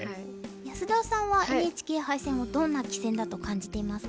安田さんはＮＨＫ杯戦をどんな棋戦だと感じていますか？